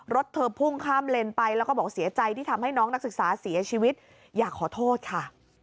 รถเธอพุ่งข้ามเลนไปแล้วก็บอกเสียใจที่ทำให้น้องนักศึกษาเสียชีวิตอยากขอโทษค่ะ